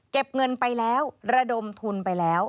เก็บเงินไปแล้วระดมทุนไปแล้ว